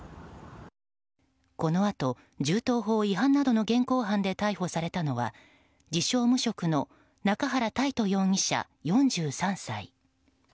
このあと、銃刀法違反などの現行犯で逮捕されたのは自称無職の中原泰斗容疑者、４３歳。